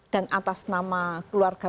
dan atas nama keluarga